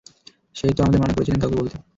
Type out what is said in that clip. সে-ই তো আমাদের মানা করেছিলেন কাউকে বলতে!